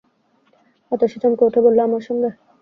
অতসী চমকে উঠে বলল, আমার সঙ্গে?